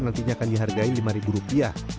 nantinya akan dihargai lima rupiah